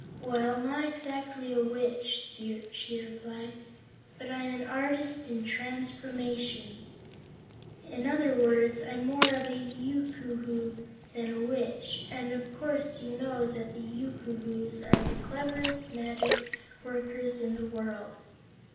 "Well, not exactly a Witch," she replied, "but I'm an Artist in Transformations. In other words, I'm more of a Yookoohoo than a Witch, and of course you know that the Yookoohoos are the cleverest magic workers in the world."